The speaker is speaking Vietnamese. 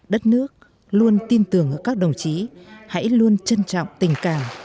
đất nước luôn tin tưởng các đồng chí hãy luôn trân trọng tình cảm